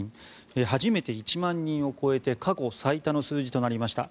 初めて１万人を超えて過去最多の数字となりました。